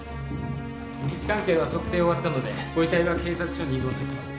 位置関係は測定終わったのでご遺体は警察署に移動させます。